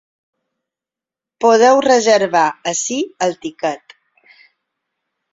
Podeu reservar ací el tiquet.